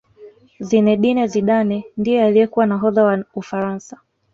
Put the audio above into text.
zinedine zidane ndiye aliyekuwa nahodha wa ufaransa